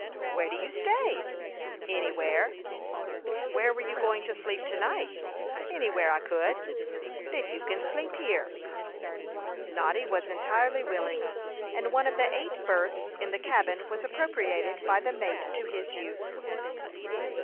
"Where do you stay?" "Anywhere." "Where were you going to sleep to night?" "Anywhere I could." "Then you can sleep here." Noddy was entirely willing, and one of the eight berths in the cabin was appropriated by the mate to his use.